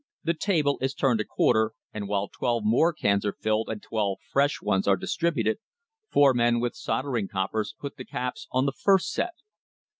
The table is turned a quarter, and while twelve more cans are filled and twelve fresh ones are distributed, four men with soldering coppers put the caps on the first set.